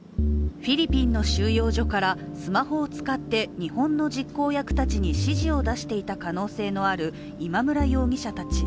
フィリピンの収容所からスマホを使って日本の実行役に指示を出していた可能性のある今村容疑者たち。